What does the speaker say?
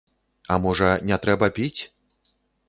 А можа, не трэба піць?